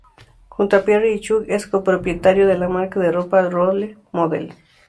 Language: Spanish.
Junto a Pierre y Chuck es co-propietario de la marca de ropa role model.